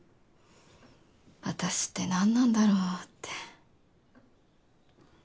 私って何なんだろって。